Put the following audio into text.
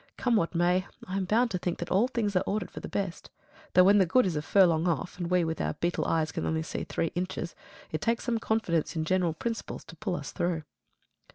Come what may, I am bound to think that all things are ordered for the best; though when the good is a furlong off, and we with our beetle eyes can only see three inches, it takes some confidence in general principles to pull us through.